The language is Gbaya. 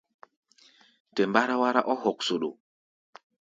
Tɛ mbáráwárá ɔ́ hoksoɗo.